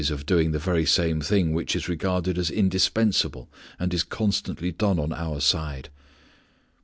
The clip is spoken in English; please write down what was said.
_ of doing the very same thing which is regarded as indispensable and is constantly done on our side.